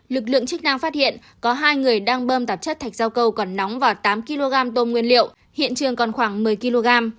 lực lượng chức năng phát hiện có hai người đang bơm tạp chất thạch rau câu còn nóng và tám kg tôm nguyên liệu hiện trường còn khoảng một mươi kg